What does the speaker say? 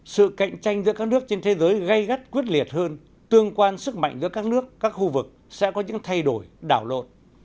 sự cạnh tranh giữa các nước trên thế giới gây gắt quyết liệt hơn tương quan sức mạnh giữa các nước các khu vực sẽ có những thay đổi đảo lộn